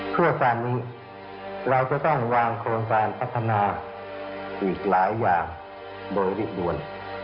เพื่อการนี้เราจะต้องวางโครงการพัฒนาอีกหลายอย่างโดยรีบด่วน